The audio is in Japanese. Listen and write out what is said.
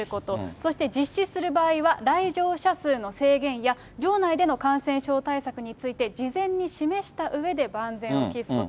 そして実施する場合は、来場者数の制限や、場内での感染症対策について、事前に示したうえで、万全を期すこと。